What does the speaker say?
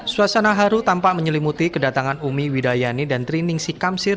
suasana haru tampak menyelimuti kedatangan umi widayani dan triningsi kamsir